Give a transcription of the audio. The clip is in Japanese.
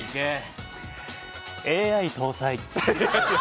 ＡＩ搭載？